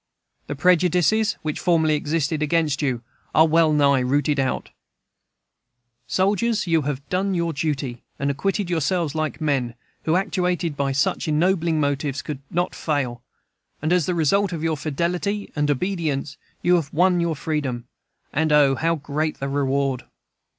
The prejudices which formerly existed against you are wellnigh rooted out Soldiers, you have done your duty, and acquitted yourselves like men, who, actuated by such ennobling motives, could not fail; and as the result of your fidelity and obedience, you have won your freedom. And O, how great the reward!